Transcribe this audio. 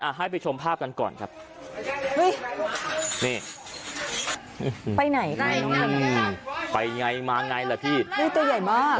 อ่าให้ไปชมภาพกันก่อนครับนี่ไปไหนไปไงมาไงล่ะพี่นี่ตัวใหญ่มาก